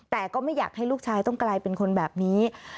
แต่ก็ไม่อยากให้ลูกชายต้องกลายเป็นคนแบบนี้